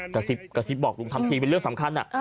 กระซิบบอกลุงทำทีเป็นเรื่องสำคัญอ่ะ